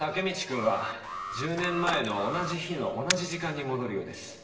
君は１０年前の同じ日の同じ時間に戻るようです。